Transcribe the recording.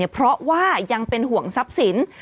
เพราะว่ายังเป็นห่วงทรัพย์สิน